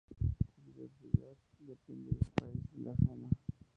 Su diversidad depende del país y la zona.